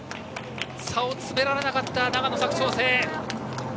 差を詰められなかった長野・佐久長聖。